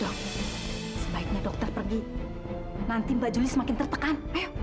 dok sebaiknya dokter pergi nanti mbak julie semakin tertekan